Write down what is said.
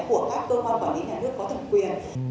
của các cơ quan quản lý nhà nước có thẩm quyền